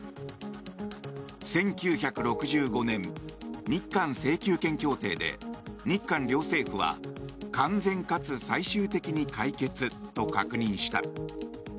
１９６５年、日韓請求権協定で日韓両政府は完全かつ最終的に解決と確認した。